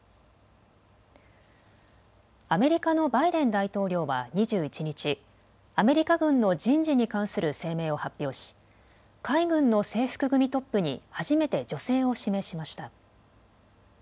アメリカのバイデン大統領は２１日、アメリカ軍の人事に関する声明を発表し海軍の制服組トップに初めて女性を指名しました。